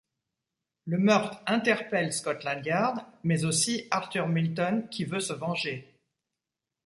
Le meurtre interpelle Scotland Yard mais aussi Arthur Milton qui veut se venger.